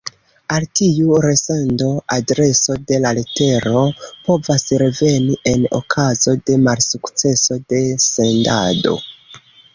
Al tiu resendo-adreso la letero povas reveni en okazo de malsukceso de sendado.